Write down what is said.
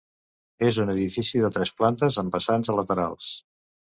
És un edifici de tres plantes amb vessants a laterals.